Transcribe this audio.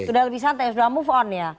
sudah lebih santai sudah move on ya